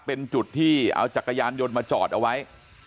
เป็นจุดที่เอาจักรยานยนต์มาจอดเอาไว้